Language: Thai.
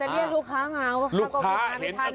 แล้วลูกค้าง่ายเพราะข้าก็ไม่มีเวลาไม่ทัน